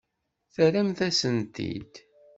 Terramt-asen-t-id.